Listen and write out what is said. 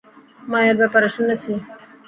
মায়ের ব্যাপারে শুনেছি।